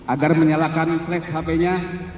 agar menyalakan flash hp nya